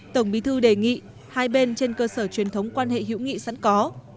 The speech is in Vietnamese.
tổng bí thư đề nghị hai bên trên cơ sở truyền thống quan hệ hữu nghị sẵn có